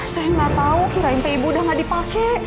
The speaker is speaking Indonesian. saya nggak tahu kirain teh ibu udah gak dipakai